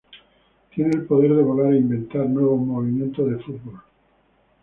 Tiene el poder de volar e inventar nuevos movimientos de fútbol.